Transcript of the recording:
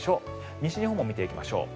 西日本も見ていきましょう。